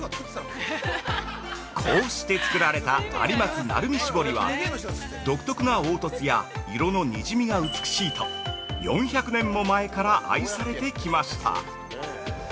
こうして作られた「有松・鳴海絞り」は、独特な凹凸や色のにじみが美しいと４００年も前から愛されてきました。